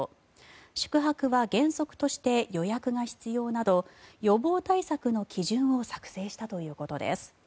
宿泊は原則として予約が必要など予防対策の基準を作成したということです。